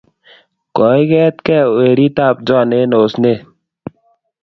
Koiket kee weri ab Joan en osenet